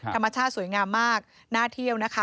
ธรรมชาติสวยงามมากน่าเที่ยวนะคะ